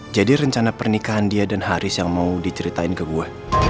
jadi rencana pernikahan dia dan haris yang mau diceritain ke gue